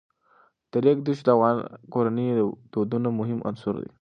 د ریګ دښتې د افغان کورنیو د دودونو مهم عنصر دی.